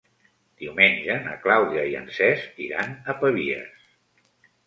Diumenge na Clàudia i en Cesc iran a Pavies.